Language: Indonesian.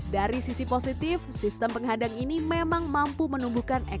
dari sisi positif sistem penghadang ini memang mampu menumbuhkan ekonomi